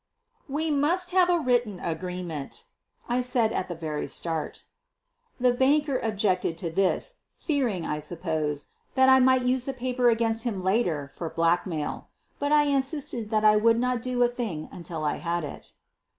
"We must have a written agreement/' I said at the very start. The banker objected to this, fearing, I suppose, that I might use the paper against him later for blackmail. But I insisted that I would not do a thing until I had it.